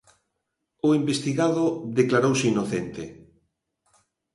O investigado declarouse inocente.